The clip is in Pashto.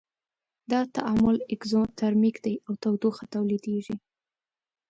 دا تعامل اکزوترمیک دی او تودوخه تولیدیږي.